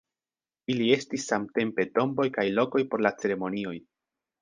Ili estis samtempe tomboj kaj lokoj por la ceremonioj.